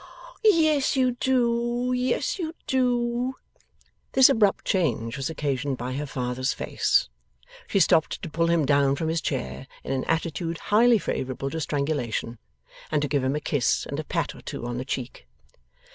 Yes you do, yes you do.' This abrupt change was occasioned by her father's face. She stopped to pull him down from his chair in an attitude highly favourable to strangulation, and to give him a kiss and a pat or two on the cheek.